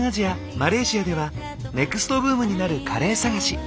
マレーシアではネクストブームになるカレー探し。